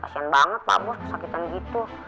kasian banget pak abu kesakitan gitu